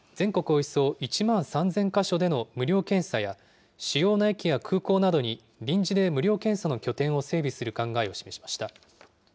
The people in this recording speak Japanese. およそ１万３０００か所での無料検査や、主要な駅や空港などに臨時で無料検査の拠点を整備する考えを示しました。